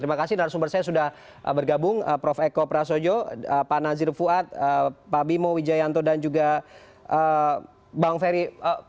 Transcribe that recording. terima kasih narasumber saya sudah bergabung prof eko prasojo pak nazir fuad pak bimo wijayanto dan juga bang ferry